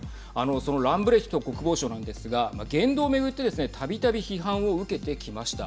そのランブレヒト国防相なんですが言動を巡ってですねたびたび批判を受けてきました。